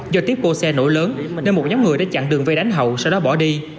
do tiếp cố xe nổi lớn nên một nhóm người đã chặn đường về đánh hậu sau đó bỏ đi